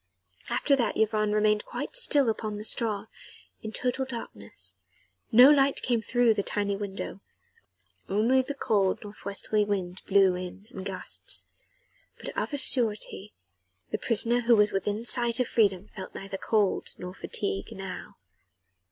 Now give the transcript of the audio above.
After that Yvonne remained quite still upon the straw, in total darkness: no light came in through the tiny window, only the cold north westerly wind blew in in gusts. But of a surety the prisoner who was within sight of freedom felt neither cold nor fatigue now.